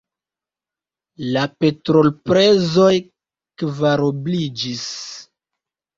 La petrolprezoj kvarobliĝis.